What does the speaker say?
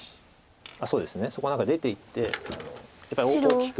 そうですねそこ出ていってやっぱり大きく。